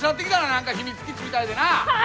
何か秘密基地みたいでな！